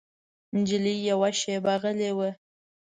نجلۍ یوه شېبه غلی وه.